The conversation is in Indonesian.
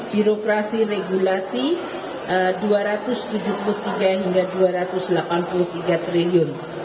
birokrasi regulasi rp dua ratus tujuh puluh tiga hingga rp dua ratus delapan puluh tiga triliun